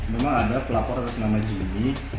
memang ada pelapor atas nama jg